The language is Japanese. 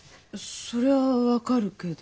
そりゃあ分かるけど。